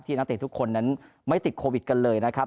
นักเตะทุกคนนั้นไม่ติดโควิดกันเลยนะครับ